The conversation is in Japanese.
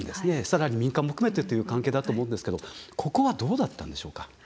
さらに民間も含めてという関係だと思うんですけどここは、どうだったんでしょうか。